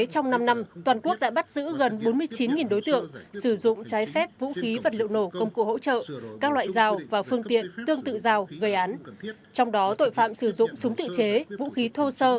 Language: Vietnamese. và dự án luật quản lý sử dụng vũ khí vật liệu nổ và công cụ hỗ trợ sửa đổi